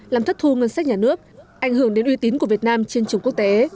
làm thất thu ngân sách nhà nước ảnh hưởng đến uy tín của việt nam trên trường quốc tế